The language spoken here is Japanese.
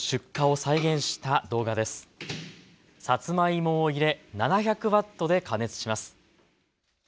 さつまいもを入れ７００ワットで加熱します。